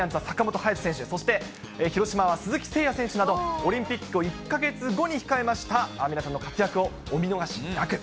ジャイアンツは坂本勇人選手、そして広島は鈴木誠也選手など、オリンピックを１か月後に控えました皆さんの活躍をお見逃しなく。